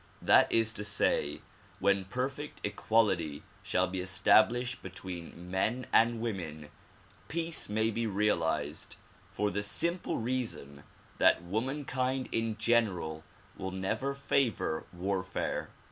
That is to say, when perfect equality shall be established between men and women, peace may be realized for the simple reason that womankind in general will never favor warfare.